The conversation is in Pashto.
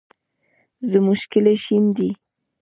زمونږ کلی شین دی